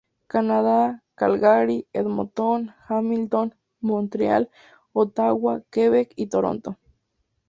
Canadá: Calgary, Edmonton, Hamilton, Montreal, Ottawa, Quebec y Toronto.